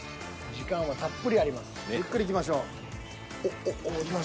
時間たっぷりあります。